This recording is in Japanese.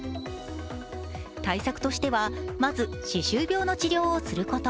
対策としては、まず歯周病の治療をすること。